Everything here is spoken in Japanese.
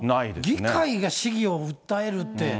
議会が市議を訴えるって。